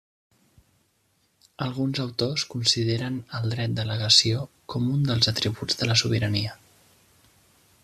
Alguns autors consideren al dret de legació com un dels atributs de la sobirania.